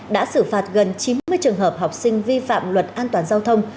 đã xử phạt gần chín mươi trường hợp học sinh vi phạm luật an toàn giao thông